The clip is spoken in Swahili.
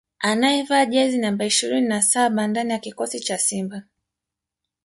anayevaa jezi namba ishirini na saba ndani ya kikosi cha Simba